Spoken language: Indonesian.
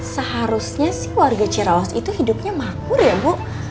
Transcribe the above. seharusnya sih warga cirawas itu hidupnya makmur ya bu